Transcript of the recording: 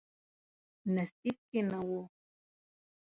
نصیب کې نه و.